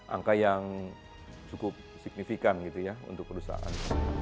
angka yang cukup signifikan gitu ya untuk perusahaan